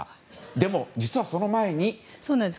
でも、実はその前に。